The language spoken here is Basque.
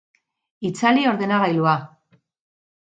Itzali ordenagailua.